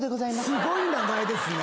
すごい名前ですね。